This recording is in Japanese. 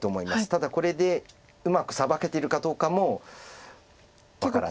ただこれでうまくサバけてるかどうかも分からない。